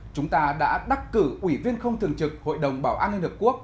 chúng ta đã đắc cử ủy viên không thường trực hội đồng bảo an liên hợp quốc